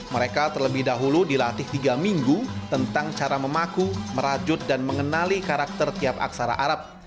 mereka terlebih dahulu dilatih tiga minggu tentang cara memaku merajut dan mengenali karakter tiap aksara arab